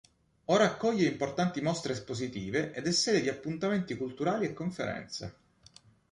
Ora accoglie importanti mostre espositive ed è sede di appuntamenti culturali e conferenze.